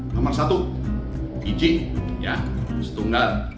nomor satu izin setunggal